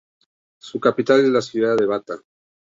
Su capital es la ciudad de Bata.